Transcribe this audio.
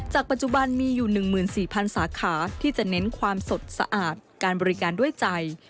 ปัจจุบันมีอยู่๑๔๐๐สาขาที่จะเน้นความสดสะอาดการบริการด้วยใจ